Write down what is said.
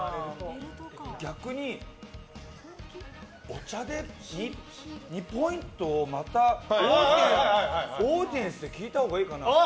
逆に、お茶で２ポイントをまたオーディエンスで聞いたほうがいいかな。